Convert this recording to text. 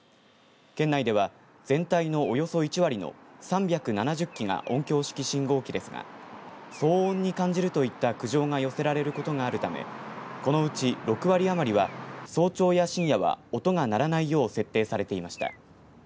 県内では、全体のおよそ１割の３７０基が音響式信号機ですが騒音に感じるといった苦情が寄せられることがあるためこのうち６割余りは早朝や深夜は音が鳴らないように設定されていました。